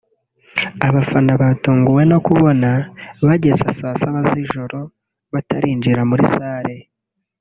abafana batunguwe no kubona bageza saa saba z’ijoro batarinjira muri Salle